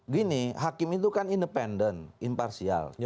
gini hakim itu kan independen imparsial